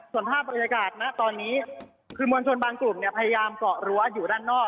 ส่วนภาพบรรยากาศนะตอนนี้คือมวลชนบางกลุ่มเนี่ยพยายามเกาะรั้วอยู่ด้านนอก